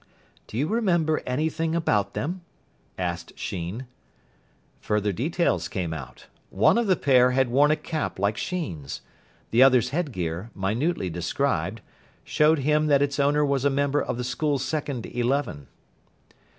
"Do you remember anything about them?" asked Sheen. Further details came out. One of the pair had worn a cap like Sheen's. The other's headgear, minutely described, showed him that its owner was a member of the school second eleven.